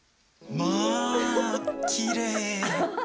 まあ、きれい。